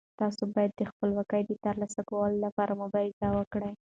تاسو باید د خپلواکۍ د ترلاسه کولو لپاره مبارزه وکړئ.